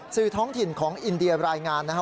สื่อท้องถิ่นของอินเดียรายงานนะครับ